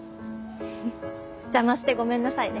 邪魔してごめんなさいね。